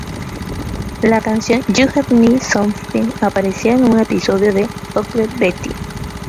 La canción "You Give Me Something" apareció en un episodio de "Ugly Betty".